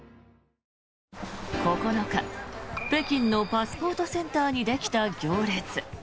９日、北京のパスポートセンターにできた行列。